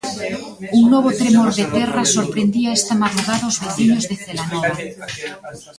Un novo tremor de terra sorprendía esta madrugada os veciños de Celanova.